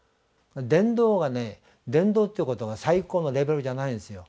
伝道がね伝道ということが最高のレベルじゃないんですよ。